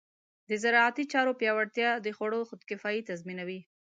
د زراعتي چارو پیاوړتیا د خوړو خودکفایي تضمینوي.